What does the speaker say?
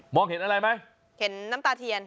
เห็นอะไรไหมเห็นน้ำตาเทียน